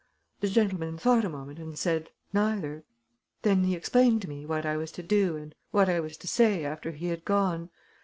The gentleman thought a moment and said neither. Then he explained to me what I was to do and what I was to say after he had gone.